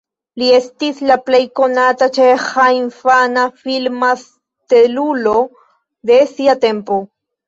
Li estis la plej konata ĉeĥa infana filma stelulo de sia tempo.